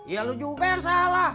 ya lu juga yang salah